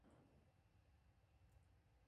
Esta etapa se denomina "Deficiencia de hierro".